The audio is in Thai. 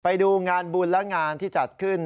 ไปดูงานบุญและงานที่จัดขึ้น